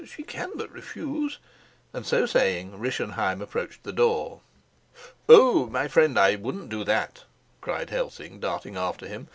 She can but refuse," and so saying Rischenheim approached the door. "Oh, my friend, I wouldn't do that," cried Helsing, darting after him.